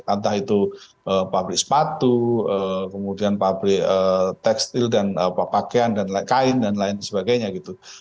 antah itu pabrik sepatu kemudian pabrik tekstil dan pakaian dan lain sebagainya gitu